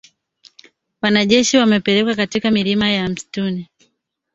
Wanajeshi wamepelekwa katika milima ya msituni